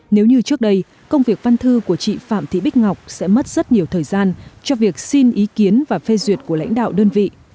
nếu như trước đây công việc văn thư của chị phạm thị bích ngọc sẽ mất rất nhiều thời gian cho việc xin ý kiến và phê duyệt của lãnh đạo đơn vị